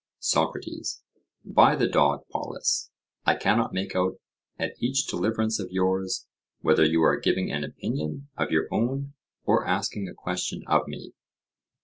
SOCRATES: By the dog, Polus, I cannot make out at each deliverance of yours, whether you are giving an opinion of your own, or asking a question of me.